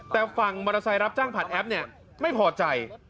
แต่ฝั่งมอเตอร์ไซค์รับจ้างผ่านแอปเนี่ยไม่พอใจ